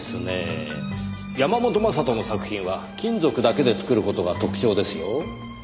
山本将人の作品は金属だけで作る事が特徴ですよ。